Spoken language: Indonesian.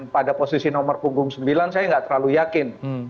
pada posisi nomor punggung sembilan saya nggak terlalu yakin